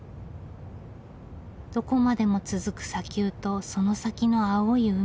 どこまでも続く砂丘とその先の青い海。